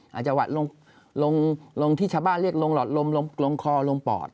อาจจะหวัดลงที่ชาวบ้านเรียกลงหลอดลมลงคอลงปอด